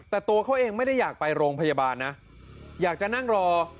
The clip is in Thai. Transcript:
แต่ตัวเขาเองไม่ได้อยากไปโรงพยาบาลนะอยากจะนั่งรอ